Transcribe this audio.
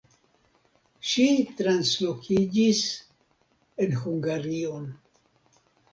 Ŝi translokiĝis en Hungarion.